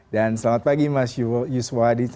dan selamat pagi mas yusho hadi